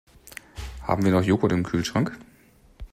Haben wir noch Joghurt im Kühlschrank?